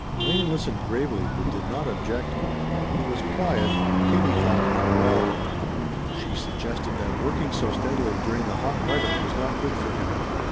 Wayne listened gravely, but did not object. He was quiet, and, Katie thought, not well. She suggested that working so steadily during the hot weather was not good for him.